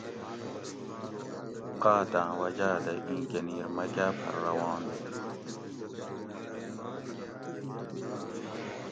قاۤتاۤں وجاۤ دہ اِیں گۤنیر مکاۤ پھر روان ہی